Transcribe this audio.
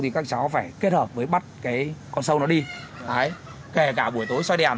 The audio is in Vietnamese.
thì các cháu phải kết hợp với bắt cái con sâu nó đi kể cả buổi tối xoay đèn